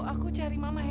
aku cari mama ya